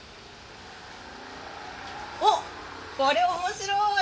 おっこれ面白い！